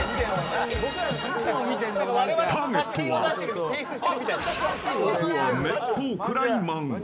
ターゲットはオフはめっぽう暗いマン